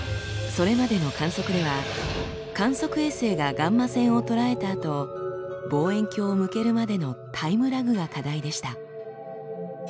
それまでの観測では観測衛星がガンマ線を捉えたあと望遠鏡を向けるまでのタイムラグが課題でした。